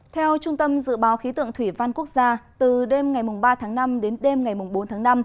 theo trung tâm dự báo khí tượng thủy văn quốc gia từ đêm ngày ba tháng năm đến đêm ngày bốn tháng năm